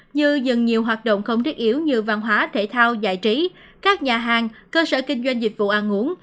như dừng nhiều hoạt động không thiết yếu như văn hóa thể thao giải trí các nhà hàng cơ sở kinh doanh dịch vụ ăn uống